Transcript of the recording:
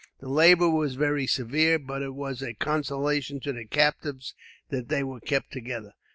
The labour was very severe, but it was a consolation to the captives that they were kept together.